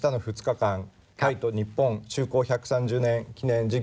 ต้องการที่จากประชาสัมพันธ์